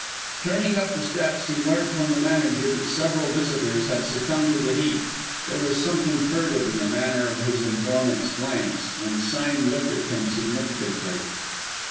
Turning up the steps, he learnt from the manager that several visitors had succumbed to the heat. There was something furtive in the manner of his informant's glance, and Sime looked at him significantly.